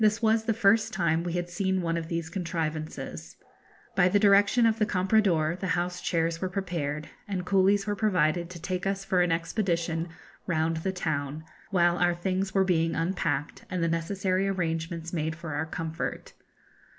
This was the first time we had seen one of these contrivances. By the direction of the comprador the house chairs were prepared, and coolies were provided to take us for an expedition round the town, while our things were being unpacked, and the necessary arrangements made for our comfort.